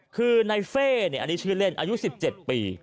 คือในเฟ่อันนี้ชื่อเล่นอายุ๑๗ปี